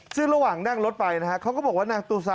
ซึ่งระหว่างนั่งรถไปนะฮะเขาก็บอกว่านางตูซา